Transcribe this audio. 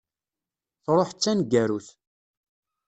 Truḥ d taneggarut.